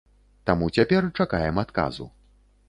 Таму цяпер чакаем адказу.